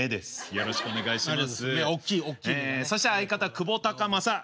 よろしくお願いします。